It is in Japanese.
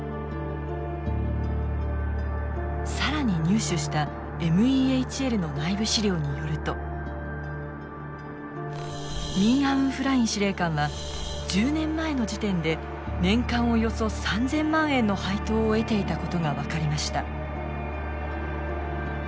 更に入手したＭＥＨＬの内部資料によるとミン・アウン・フライン司令官は１０年前の時点で年間およそ３，０００万円の配当を得ていたことが分かりました。